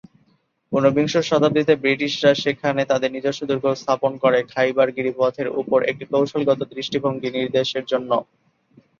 ঊনবিংশ শতাব্দীতে ব্রিটিশরা সেখানে তাদের নিজস্ব দুর্গ স্থাপন করে, খাইবার গিরিপথের উপর একটি কৌশলগত দৃষ্টিভঙ্গি নির্দেশের জন্য।